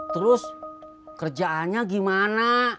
terus kerjaannya gimana